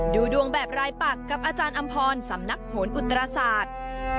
ดูดวงแบบรายปักกับอาจารย์อำพรสำนักโหนอุตราศาสตร์